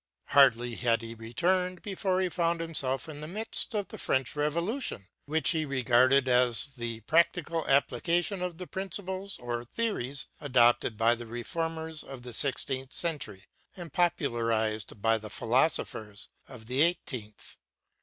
Hardly had he returned before he found himself in the midst of the French Revolution, which he regarded as the practical application of the principles or theories adopted by the reformers of the sixteenth century and popularized by the philosophers of the eighteenth.